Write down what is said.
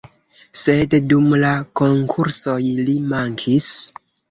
Sed dum la konkursoj li mankis.